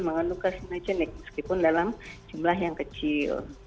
memang luka sinagenik meskipun dalam jumlah yang kecil